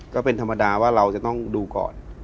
ก็เป็นธรรมดาว่าเราจะต้องดูก่อน